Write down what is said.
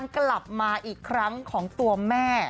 กลับมาอีกครั้งของตัวแม่